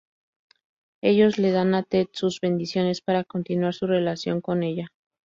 Ellos le dan a Ted sus bendiciones para continuar su relación con ella.